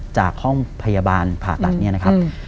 จากห้องพยาบาลผ่าตัดเนี่ยนะครับ